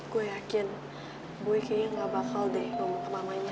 gue yakin boy kayaknya gak bakal deh ngomong ke mamanya